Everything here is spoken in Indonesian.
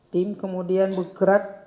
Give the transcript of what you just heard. tim kemudian berkerak ke daerah kebonjeruk